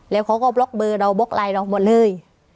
แล้วเขาก็บล็อกเบอร์เราบล็อกไลน์เราหมดเลย